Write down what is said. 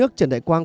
là cho việt nam